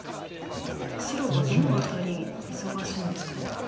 白はどの辺り忙しいんですか？